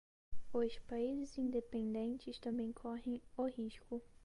os países independentes também correm o risco